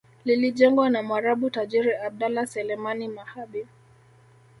Lilijengwa na mwarabu tajiri Abdallah Selemani Marhabi